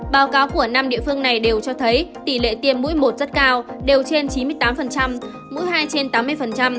báo cáo của năm địa phương này đều cho thấy tỷ lệ tiêm mũi một rất cao đều trên chín mươi tám mũi hai trên tám mươi